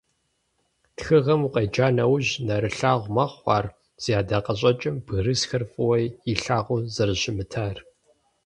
Тхыгъэм укъеджа нэужь, нэрылъагъу мэхъу ар зи ӀэдакъэщӀэкӀым бгырысхэр фӀыуэ илъагъуу зэрыщымытар.